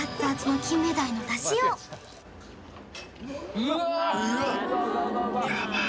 ・うわ！